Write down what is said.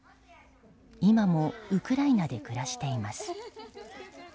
今もウクライナで暮らしています。